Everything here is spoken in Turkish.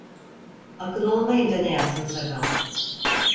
Akıl olmayınca ne yapsın sakal?